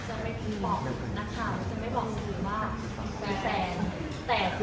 อันนี้แชมป์